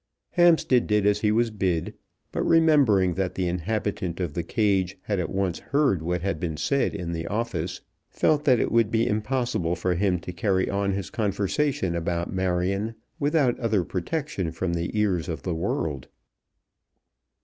Hampstead did as he was bid, but remembering that the inhabitant of the cage had at once heard what had been said in the office, felt that it would be impossible for him to carry on his conversation about Marion without other protection from the ears of the world.